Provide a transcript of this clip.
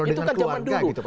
itu kan zaman dulu